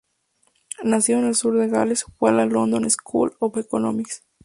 Nacido en el sur de Gales, fue a la London School of Economics.